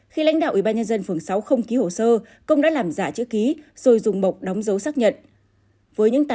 khi lãnh đạo ủy ban nhân dân phường sáu không ký hồ sơ công đã làm giả chữ ký rồi dùng bọc đóng dấu xác nhận